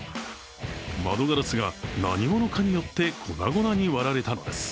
窓ガラスが何者かによって粉々に割られたのです。